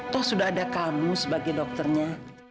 toh sudah ada kamu sebagai dokternya